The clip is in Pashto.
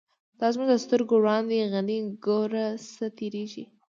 دا زمونږ د سترگو وړاندی «غنی» گوره څه تیریږی